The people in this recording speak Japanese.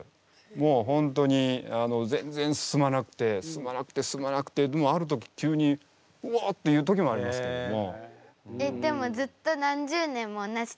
もうホントに全然進まなくて進まなくて進まなくてでもある時急に「うお！」っていう時もありますけども。